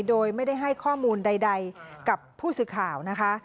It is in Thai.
โดยไม่ได้ให้ข้อมูลใดกับผู้สื่อข่าวนะคะ